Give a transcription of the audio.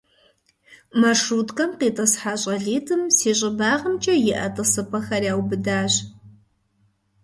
Маршруткэм къитӀысхьа щӀалитӀым си щӀыбагъымкӀэ иӀэ тӀысыпӀэхэр яубыдащ.